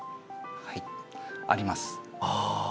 はいあります